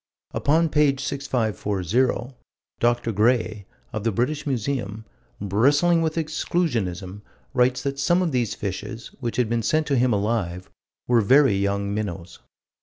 Upon page 6540, Dr. Gray, of the British Museum, bristling with exclusionism, writes that some of these fishes, which had been sent to him alive, were "very young minnows."